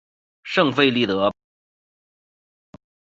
圣费利德帕利埃。